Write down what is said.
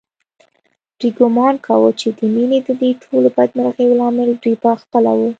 دوی ګومان کاوه چې د مينې ددې ټولو بدمرغیو لامل دوی په خپله و